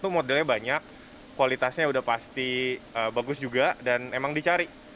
modelnya banyak kualitasnya udah pasti bagus juga dan emang dicari